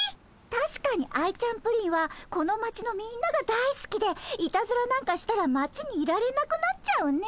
たしかにアイちゃんプリンはこの町のみんながだいすきでいたずらなんかしたら町にいられなくなっちゃうね。